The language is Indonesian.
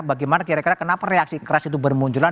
bagaimana kira kira kenapa reaksi keras itu bermunculan